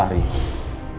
akhirnya setelah berkeliling